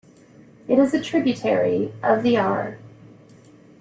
It is a tributary of the Aare.